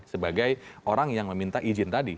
sebagai orang yang meminta izin tadi